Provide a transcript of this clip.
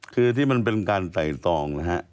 คือที่มันเป็นการใส่ซองนะฮะ